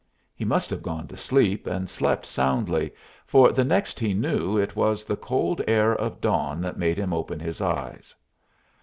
He must have gone to sleep and slept soundly, for the next he knew it was the cold air of dawn that made him open his eyes.